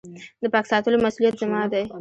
د پاک ساتلو مسولیت زما دی .